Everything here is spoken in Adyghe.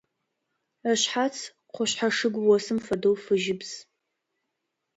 Ышъхьац къушъхьэ шыгу осым фэдэу фыжьыбз.